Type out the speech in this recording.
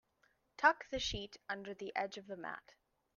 Tuck the sheet under the edge of the mat.